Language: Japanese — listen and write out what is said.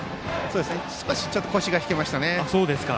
少し腰が引けましたね。